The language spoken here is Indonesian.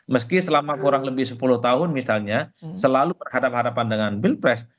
meski selama kurang lebih sepuluh tahun misalnya selalu berhadapan hadapan dengan pilpres